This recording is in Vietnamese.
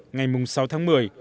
ngày mùng sáu tháng một mươi